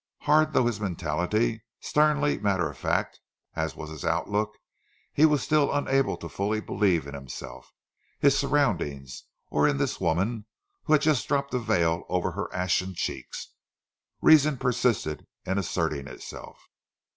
Hard though his mentality, sternly matter of fact as was his outlook, he was still unable to fully believe in himself, his surroundings, or in this woman who had just dropped a veil over her ashen cheeks. Reason persisted in asserting itself.